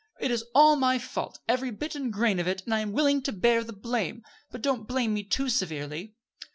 It is all my fault, every bit and grain of it, and I am willing to bear the blame; but don't blame me too severely."